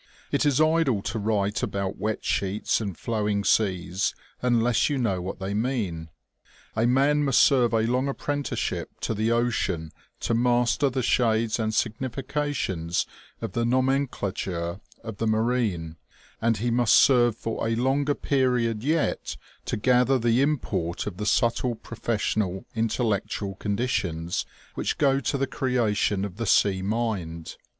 It is idle to write about wet sheets and flowing seas unless you know what they mean. A man must serve a long apprenticeship to the ocean to master the shades and significations of the nomenclature of the marine ; and he must serve for a longer period yet to gather the import of the subtle professional intellectual conditions which go to the creation of the sea mind.